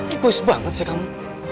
egois banget sih kamu